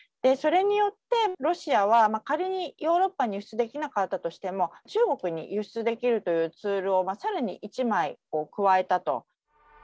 それによって、ロシアは、仮にヨーロッパに輸出できなかったとしても、中国に輸出できるというツールをさらに１枚加えたと。